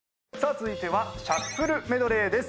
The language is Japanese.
続いてはシャッフルメドレーです。